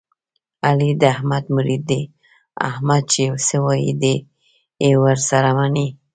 علي د احمد مرید دی، احمد چې څه وایي دی یې ور سره مني.